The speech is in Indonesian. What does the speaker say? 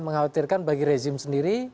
mengkhawatirkan bagi rezim sendiri